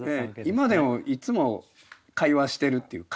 今でもいつも会話してるっていう。